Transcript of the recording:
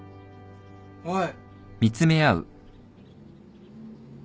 おい。